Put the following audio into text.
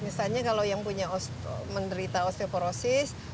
misalnya kalau yang punya menderita osteoporosis